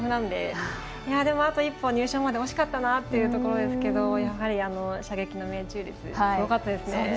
でもあと一歩、入賞まで惜しかったなというところですがやはり、射撃の命中率すごかったですね。